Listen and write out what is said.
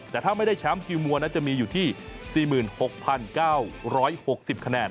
แต่ถ้าไม่ได้แชมป์กิลมัวจะมีอยู่ที่๔๖๙๖๐คะแนน